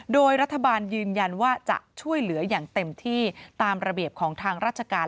โดยรัฐบาลยืนยันว่าจะช่วยเหลืออย่างเต็มที่ตามระเบียบของทางราชการ